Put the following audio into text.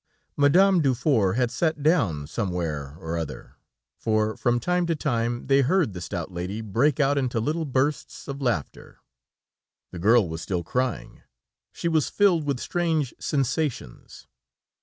Madame Dufour had sat down somewhere or other, for from time to time they heard the stout lady break out into little bursts of laughter. The girl was still crying; she was filled with strange sensations.